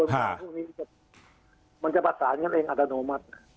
เหมือนจะปรัสสารนั้นเองอัตโนมัติ